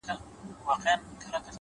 هوښیار انسان له وخت نه دوست جوړوي’